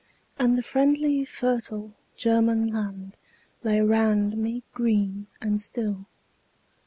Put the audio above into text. And the friendly fertile German land Lay round me green and still.